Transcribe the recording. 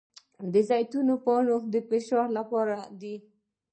د زیتون پاڼې د فشار لپاره دي.